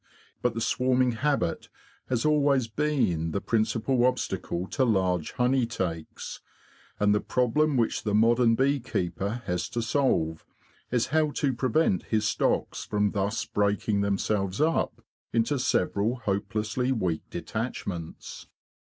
But the swarming habit has always been the principal obstacle to large honey takes; and the problem which the modern bee keeper has to solve is how to prevent his stocks from thus breaking themselves up into several hopelessly weak detachments.